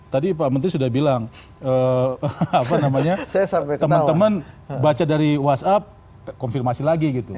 tadi pak menteri sudah bilang teman teman baca dari whatsapp konfirmasi lagi gitu